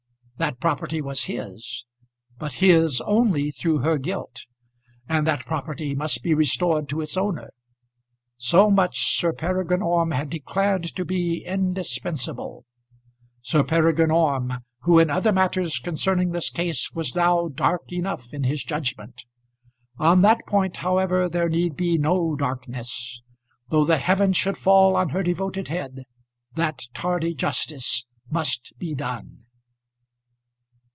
That property was his, but his only through her guilt; and that property must be restored to its owner! So much Sir Peregrine Orme had declared to be indispensable, Sir Peregrine Orme, who in other matters concerning this case was now dark enough in his judgment. On that point, however, there need be no darkness. Though the heaven should fall on her devoted head, that tardy justice must be done!